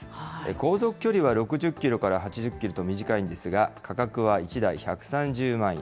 航続距離は６０キロから８０キロと短いんですが、価格は１台１３０万円。